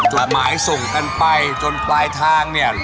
จดหมายส่งกันไปจนปลายทางเนี่ย